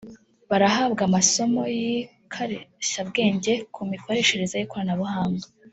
barahabwa amasomo y’ikarishyabwenge ku mikoreshereze y’ikoranabuhanga